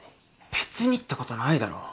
別にってことないだろ。